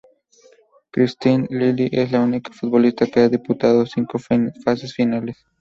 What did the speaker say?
Kristine Lilly es la única futbolista que ha disputado cinco fases finales.